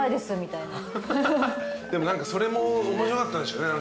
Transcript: でも何かそれも面白かったんでしょうね。